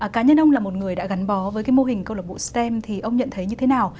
cá nhân ông là một người đã gắn bó với cái mô hình câu lạc bộ stem thì ông nhận thấy như thế nào